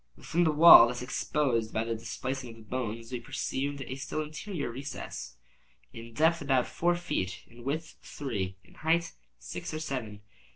Within the wall thus exposed by the displacing of the bones, we perceived a still interior recess, in depth about four feet, in width three, in height six or seven.